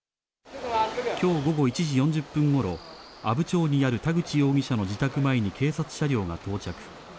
きょう午後１時４０分ごろ、阿武町にある田口容疑者の自宅前に警察車両が到着。